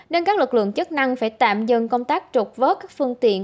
nên các lực lượng chức năng phải tạm dừng công tác trục vớt các phương tiện